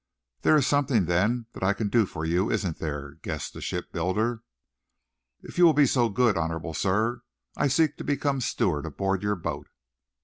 "There is something, then, that I can do for you, isn't there?" guessed the shipbuilder. "If you will be so good, honorable sir. I seek to become steward aboard your boat."